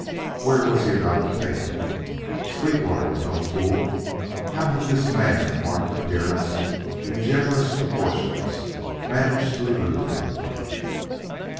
Where was he about to take them? Sweetwater was no fool; how had this man of marked appearance and generous proportions managed to elude him?